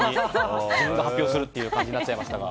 自分が発表するって感じになっちゃいましたが。